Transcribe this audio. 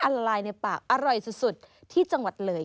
ละลายในปากอร่อยสุดที่จังหวัดเลย